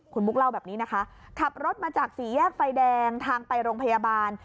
คุณมุกเล่าแบบนี้นะคะขับรถมาจากสี่แยกไฟแดงทางไปโรงพยาบาล